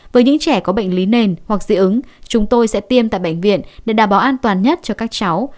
với những trẻ có bệnh lý nền hoặc dị ứng chúng tôi sẽ tiêm tại bệnh viện để đảm bảo an toàn nhất cho các cháu